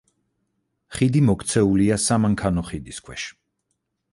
ხიდი მოქცეულია სამანქანო ხიდის ქვეშ.